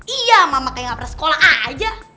iya mama kayak gak pernah sekolah aja